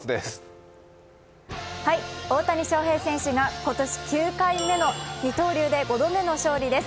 大谷翔平選手が今年９回目の５度目の勝利です。